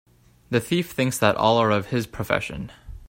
The thief thinks that all are of his profession.